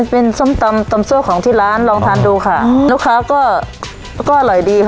เป็นส้มตำตำซั่วของที่ร้านลองทานดูค่ะลูกค้าก็อร่อยดี